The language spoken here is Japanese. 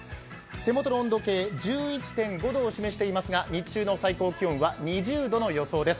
手元の温度計１１．５度を示していますが日中の最高気温は２０度の予想です。